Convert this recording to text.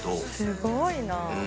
「すごいな！」